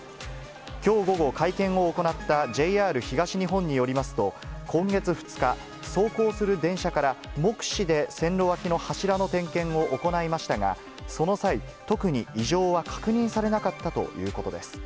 きょう午後、会見を行ったＪＲ東日本によりますと、今月２日、走行する電車から目視で線路脇の柱の点検を行いましたが、その際、特に異常は確認されなかったということです。